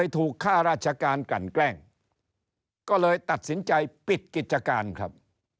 ถึงใจปิดกิจการครับ